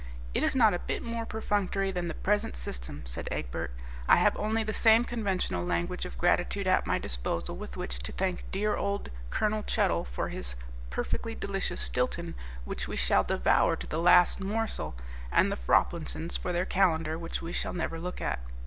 "It is not a bit more perfunctory than the present system," said Egbert; "I have only the same conventional language of gratitude at my disposal with which to thank dear old Colonel Chuttle for his perfectly delicious Stilton, which we shall devour to the last morsel, and the Froplinsons for their calendar, which we shall never look at.